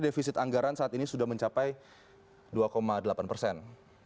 defisit anggaran saat ini sudah mencapai dua delapan persen